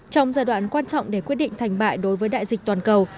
trong giai đoạn quan trọng để quyết định thành bại đối với đại dịch toàn cầu